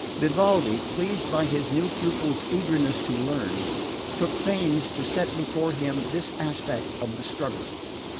Vivaldi, pleased by his new pupil's eagerness to learn, took pains to set before him this aspect of the struggle.